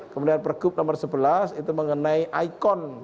kemudian pergub nomor sebelas itu mengenai ikon